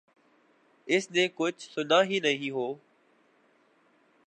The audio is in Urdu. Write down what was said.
اس نے کچھ سنا ہی نہیں ہو۔